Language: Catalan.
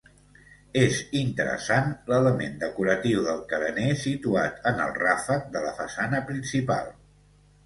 És interessant l'element decoratiu del carener situat en el ràfec de la façana principal.